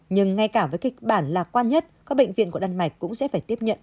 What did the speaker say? nhưng ngay cả với kịch bản lạc quan nhất các bệnh viện của đan mạch cũng sẽ phải tiếp nhận